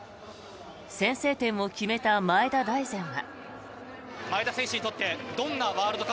先制点を決めた前田大然は。